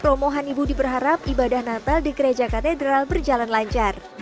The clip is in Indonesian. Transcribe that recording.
romo hanibudi berharap ibadah natal di gereja katedral berjalan lancar